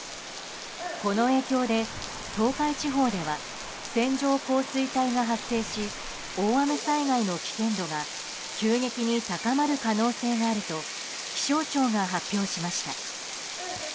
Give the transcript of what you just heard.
この影響で東海地方では線状降水帯が発生し大雨災害の危険度が急激に高まる可能性があると気象庁が発表しました。